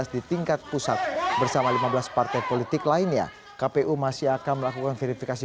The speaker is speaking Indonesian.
di tingkat pusat bersama lima belas partai politik lainnya kpu masih akan melakukan verifikasi